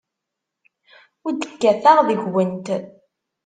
Ur d-kkateɣ deg-went.